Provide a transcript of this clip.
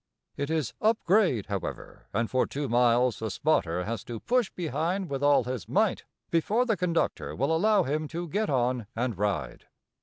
It is upgrade, however, and for two miles the "spotter" has to push behind with all his might before the conductor will allow him to get on and ride.